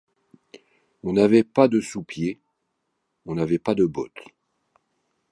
On n’avait pas de sous-pieds, on n’avait pas de bottes.